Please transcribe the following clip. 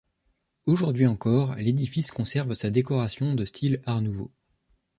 Aujourd'hui encore, l'édifice conserve sa décoration de style Art nouveau.